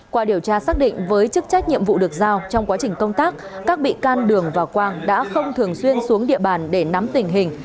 qua điều tra xác định với chức trách nhiệm vụ được giao trong quá trình công tác các bị can đường và quang đã không thường xuyên xuống địa bàn để nắm tình hình